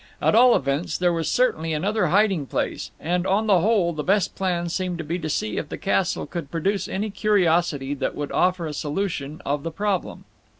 At all events, there was certainly another hiding place; and, on the whole, the best plan seemed to be to see if the castle could produce any curiosity that would offer a solution of the problem.